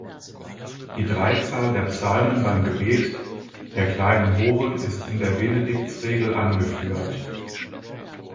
Die Dreizahl der Psalmen beim Gebet der kleinen Horen ist in der Benediktsregel angeführt.